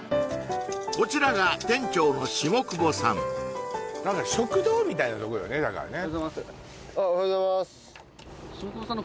こちらが店長の下久保さん食堂みたいなとこよねだからね